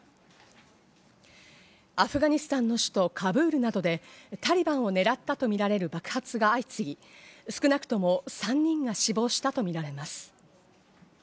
アフガニスタンの首都・カブールなどでタリバンを狙ったとみられる爆発が相次ぎ、少なくとも３人が死亡したとみられます。